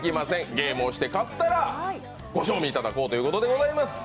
ゲームをして買ったらご賞味いただこうということでございます。